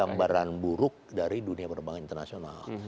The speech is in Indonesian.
gambaran buruk dari dunia penerbangan internasional